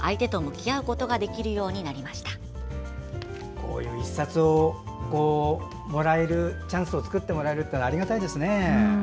こういう１冊をもらえるチャンスを作ってもらえるのはありがたいですね。